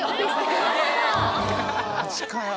マジかよ